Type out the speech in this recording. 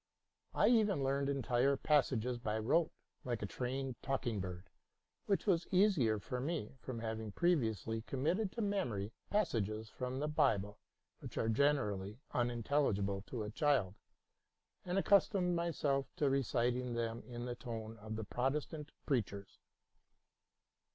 I even learned entire passages by rote like a trained talking bird, which was easier to me, from having previously committed to memory passages from the Bible which are generally unintelligible to a child, and accustomed myself to reciting them in the tone of the Protestant preachers.